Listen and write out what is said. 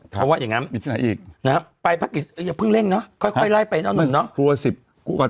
เพราะว่าอย่างงั้นไปพระกิจอย่าเพิ่งเร่งเนาะค่อยไล่ไปเนาะหนุ่มเนาะ